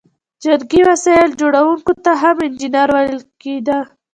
جنګي وسایل جوړوونکو ته هم انجینر ویل کیده.